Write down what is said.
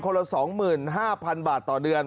ละ๒๕๐๐๐บาทต่อเดือน